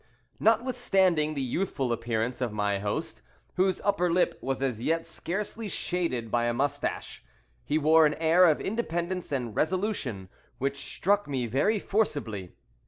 Notwithstanding the youthful appearance of my host, whose upper lip was as yet scarcely shaded by a moustache, he wore an air of independence and resolution, which struck me very forcibly.